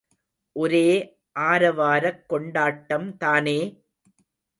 ஒரே ஆரவாரக் கொண்டாட்டம் தானே!